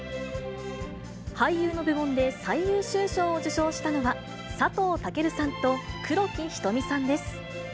俳優の部門で最優秀賞を受賞したのは、佐藤健さんと黒木瞳さんです。